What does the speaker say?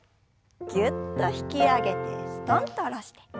ぎゅっと引き上げてすとんと下ろして。